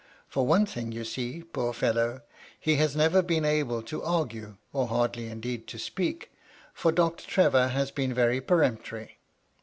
For one thing, you see, poor fellow I he has never been able to argue, or hardly indeed to speak, for Doctor Trevor has been very peremptory.